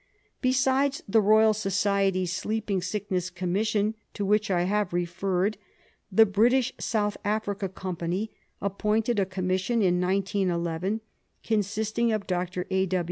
Besides the Royal Society's Sleeping Sickness Commis sion, to which I have referred, the British South Africa Company appointed a Commission in 1911 — consisting of Dr. A.